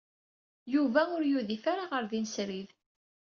Yuba ur yudif ara ɣer din srid.